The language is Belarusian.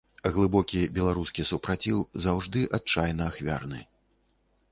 Глыбокі беларускі супраціў заўжды адчайна ахвярны.